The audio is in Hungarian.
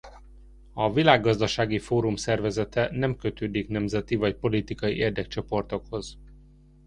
A Világgazdasági Fórum szervezete nem kötődik nemzeti vagy politikai érdekcsoportokhoz.